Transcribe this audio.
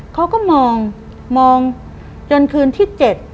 เขาก็มองมองจนคืนที่๗